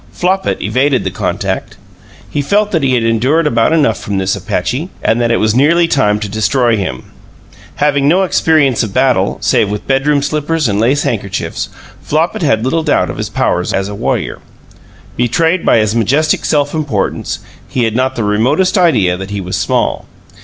Flopit evaded the contact. He felt that he had endured about enough from this Apache, and that it was nearly time to destroy him. Having no experience of battle, save with bedroom slippers and lace handkerchiefs, Flopit had little doubt of his powers as a warrior. Betrayed by his majestic self importance, he had not the remotest idea that he was small.